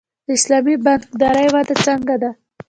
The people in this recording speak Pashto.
د اسلامي بانکدارۍ وده څنګه ده؟